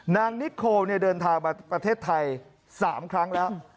นางนิโคเดินทางมาประเทศไทย๓ครั้งแล้ว